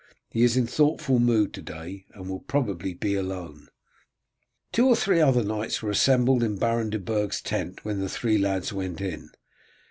He is in thoughtful mood to day, and will probably be alone." Two or three other knights were assembled in Baron de Burg's tent when the three lads went in.